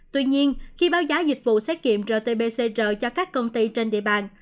tuy nhiên khi báo giá dịch vụ xét nghiệm rt pcr cho các công ty trên địa bàn